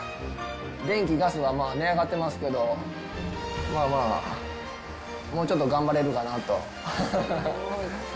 電気、ガスは値上がってますけど、まあまあ、もうちょっと頑張れるかなと。